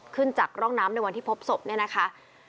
จากร่องน้ำในวันที่พบศพเนี่ยนะคะ